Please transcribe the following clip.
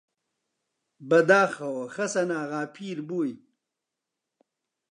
بەداخەوە خەسەناغا پیر بووی!